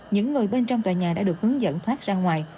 những người bên trong tòa nhà đã được hướng dẫn thoát ra ngoài